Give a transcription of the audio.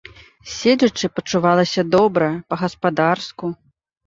Седзячы, пачувалася добра, па-гаспадарску.